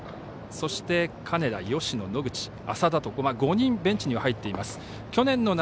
そして、金田、芳野、野口浅田と５人、ベンチには入っています。